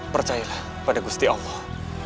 percayalah pada gusti allah